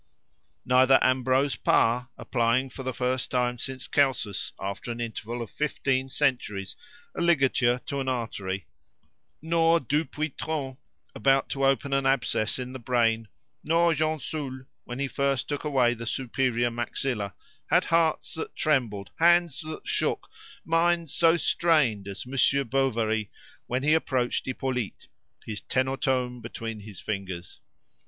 Neither Ambrose Pare, applying for the first time since Celsus, after an interval of fifteen centuries, a ligature to an artery, nor Dupuytren, about to open an abscess in the brain, nor Gensoul when he first took away the superior maxilla, had hearts that trembled, hands that shook, minds so strained as Monsieur Bovary when he approached Hippolyte, his tenotome between his fingers.